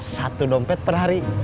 satu dompet per hari